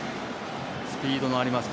スピードのあります